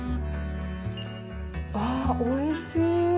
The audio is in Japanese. あー、おいしい。